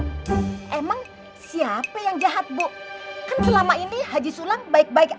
thirsty pengantus hebat pen celebrity j husam dan parema